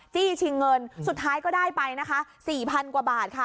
จี้ชิงเงินสุดท้ายก็ได้ไปนะคะ๔๐๐๐กว่าบาทค่ะ